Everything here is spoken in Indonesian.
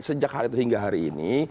sejak hari itu hingga hari ini